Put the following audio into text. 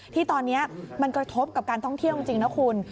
ที่ตอนนี้มันกระทบกับการท่องเที่ยวจริงนะคุณ